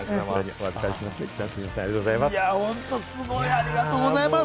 ありがとうございます。